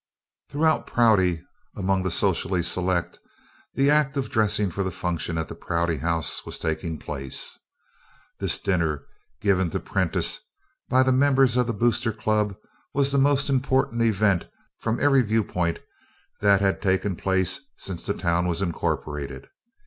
Throughout Prouty, among the socially select, the act of dressing for the function at the Prouty House was taking place. This dinner given to Prentiss by the members of the Boosters Club was the most important event from every viewpoint that had taken place since the town was incorporated.